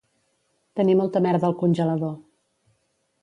Tenir molta merda al congelador